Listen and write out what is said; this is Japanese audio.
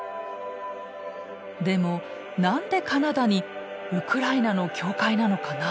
でも何でカナダにウクライナの教会なのかな？